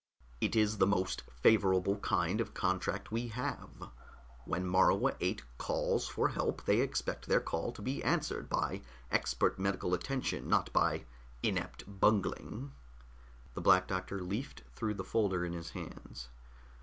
It is the most favorable kind of contract we have; when Morua VIII calls for help they expect their call to be answered by expert medical attention, not by inept bungling." The Black Doctor leafed through the folder in his hands.